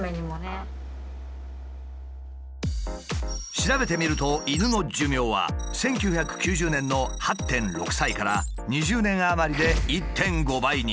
調べてみると犬の寿命は１９９０年の８．６歳から２０年余りで１．５倍に。